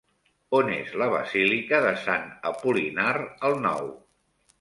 On és la basílica de Sant Apol·linar el Nou?